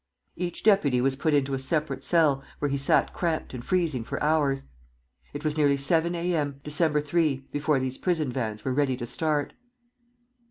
Each deputy was put into a separate cell, where he sat cramped and freezing for hours. It was nearly seven A. M., December 3, before these prison vans were ready to start.